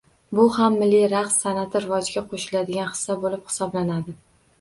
Bu ham milliy raqs san’ati rivojiga qo‘shiladigan hissa bo‘lib hisoblanadi.